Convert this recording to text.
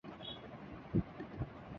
ہوائے صبح یک عالم گریباں چاکی گل ہے